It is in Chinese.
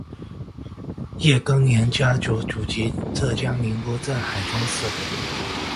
叶庚年家族祖籍浙江宁波镇海庄市。